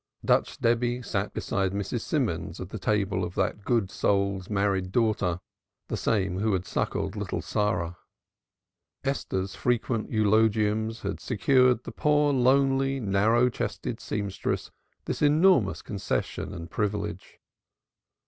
Dutch Debby sat beside Mrs. Simons at the table of that good soul's married daughter; the same who had suckled little Sarah. Esther's frequent eulogiums had secured the poor lonely narrow chested seamstress this enormous concession and privilege.